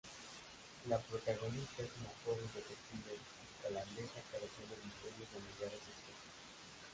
La protagonista es una joven detective holandesa que resuelve misterios en lugares exóticos.